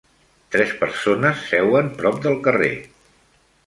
Tres persones seuen prop del carrer.